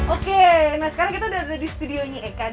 oke sekarang kita sudah di studio eka